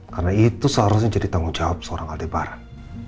karena itu seharusnya jadi tanggung jawab seorang adibaran